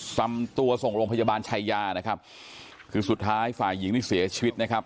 นำตัวส่งโรงพยาบาลชายานะครับคือสุดท้ายฝ่ายหญิงนี่เสียชีวิตนะครับ